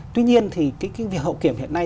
tuy nhiên thì cái việc hậu kiểm hiện nay